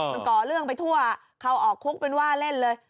มันก่อเรื่องไปทั่วเข้าออกคุกเป็นว่าเล่นเลย